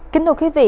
kính thưa quý vị